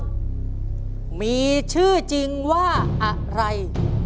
โดลาเอมอนมีชื่อจริงว่าอะไร